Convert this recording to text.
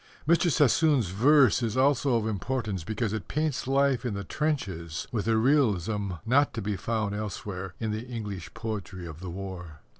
Mr. Sassoon's verse is also of importance because it paints life in the trenches with a realism not to be found elsewhere in the English poetry of the war.